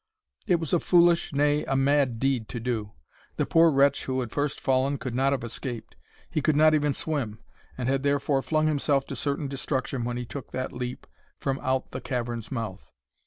It was a foolish, nay, a mad deed to do. The poor wretch who had first fallen could not have escaped. He could not even swim, and had therefore flung himself to certain destruction when he took that leap from out of the cavern's mouth.